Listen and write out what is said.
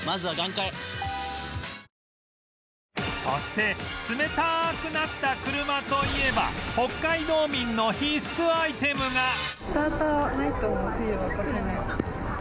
そして冷たくなった車といえば北海道民の必須アイテムが